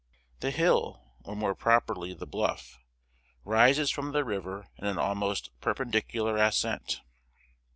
The hill, or more properly the bluff, rises from the river in an almost perpendicular ascent.